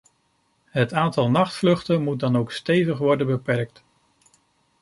Het aantal nachtvluchten moet dan ook stevig worden beperkt.